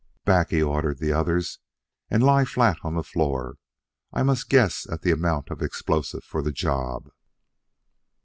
"Back!" he ordered the others, "and lie flat on the floor. I must guess at the amount of explosive for the job."